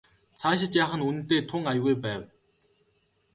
Цаашид яах нь үнэндээ тун аягүй байв.